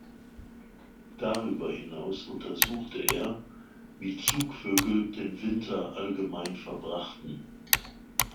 Darüber hinaus untersuchte er, wie Zugvögel den Winter allgemein verbrachten.